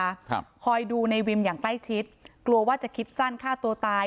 ครับคอยดูในวิมอย่างใกล้ชิดกลัวว่าจะคิดสั้นฆ่าตัวตาย